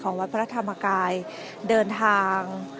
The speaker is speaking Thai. วัดพระธรรมกายเดินทาง